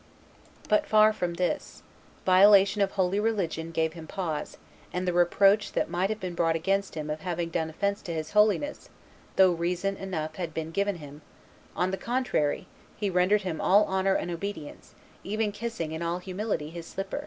But far from this: violation of holy religion gave him pause, and the reproach that might have been brought against him of having done offence to his Holiness, though reason enough had been given him: on the contrary, he rendered him all honor and obedience, even to kissing in all humility his slipper!"